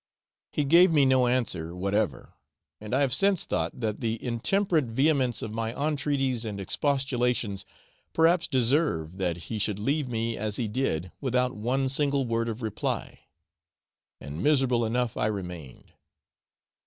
He gave me no answer whatever, and I have since thought that the intemperate vehemence of my entreaties and expostulations perhaps deserved that he should leave me as he did without one single word of reply; and miserable enough I remained.